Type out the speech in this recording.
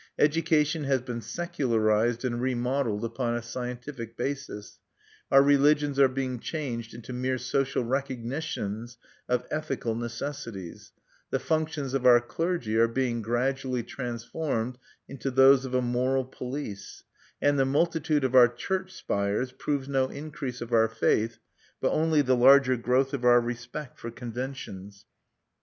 Education has been secularized and remodeled upon a scientific basis; our religions are being changed into mere social recognitions of ethical necessities; the functions of our clergy are being gradually transformed into those of a moral police; and the multitude of our church spires proves no increase of our faith, but only the larger growth of our respect for conventions.